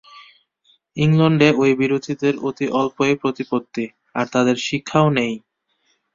ইংলণ্ডে ঐ বিরোধীদের অতি অল্পই প্রতিপত্তি, আর তাদের শিক্ষাও নেই।